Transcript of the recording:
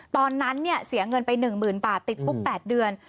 ตอนนั้นเนี่ยเสียเงินไป๑๐๐๐๐บาทติดปุ๊บ๘เดือน